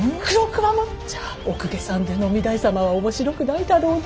じゃお公家さん出の御台様は面白くないだろうね。